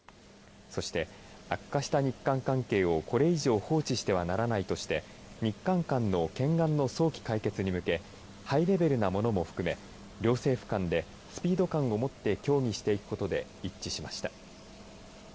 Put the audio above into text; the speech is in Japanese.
そして悪化した日韓関係をこれ以上放置してはならないとして日韓間の懸案の早期解決に向けてハイレベルなものも含め両政府間でスピード感をもって協議していくことで一致しました。